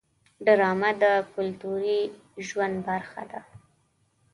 ډرامه د کلتوري ژوند برخه ده